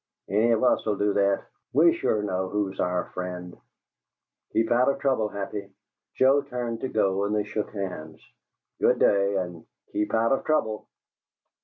Any of us 'll do that; we sure know who's our friend." "Keep out of trouble, Happy." Joe turned to go and they shook hands. "Good day, and keep out of trouble!"